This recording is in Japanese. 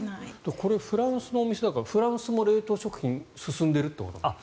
これフランスのお店だからフランスも冷凍食品進んでいるということですか？